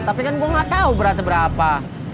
tapi kan gue nggak tahu berata berata